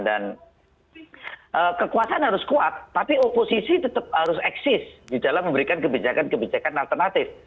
dan kekuasaan harus kuat tapi oposisi tetap harus eksis di dalam memberikan kebijakan kebijakan alternatif